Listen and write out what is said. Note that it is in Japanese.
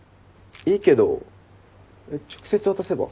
いいけど直接渡せば？